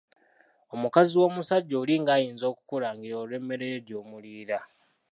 Omukazi w'omusajja oli ng'ayinza okukulangira olw'emmere ye gy'omuliira.